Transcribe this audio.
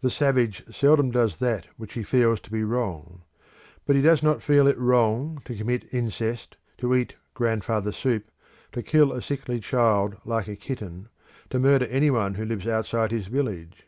The savage seldom does that which he feels to be wrong. But he does not feel it wrong to commit incest, to eat "grandfather soup," to kill a sickly child like a kitten, to murder any one who lives outside his village.